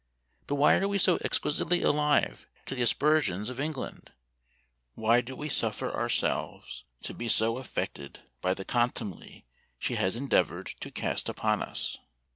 But why are we so exquisitely alive to the aspersions of England? Why do we suffer ourselves to be so affected by the contumely she has endeavored to cast upon us?